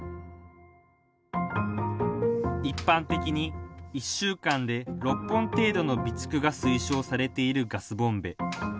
一般的に、１週間で６本程度の備蓄が推奨されているガスボンベ。